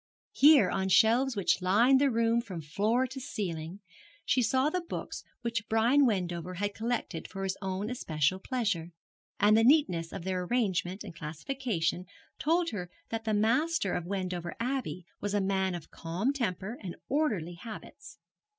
Here, on shelves which lined the room from floor to ceiling, she saw the books which Brian Wendover had collected for his own especial pleasure, and the neatness of their arrangement and classification told her that the master of Wendover Abbey was a man of calm temper and orderly habits.